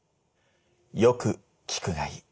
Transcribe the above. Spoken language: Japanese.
よく聞くがいい